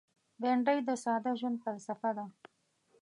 بېنډۍ د ساده ژوند فلسفه ده